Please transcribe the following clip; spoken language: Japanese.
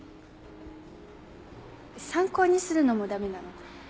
参考にするのもダメなの？